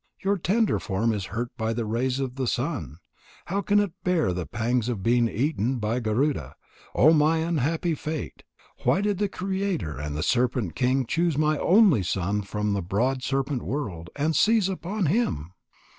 Your tender form is hurt by the rays of the sun. How can it bear the pangs of being eaten by Garuda? Oh, my unhappy fate! Why did the Creator and the serpent king choose my only son from the broad serpent world, and seize upon him?"